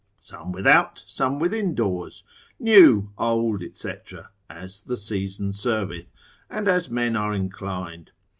some without, some within doors; new, old, &c., as the season serveth, and as men are inclined.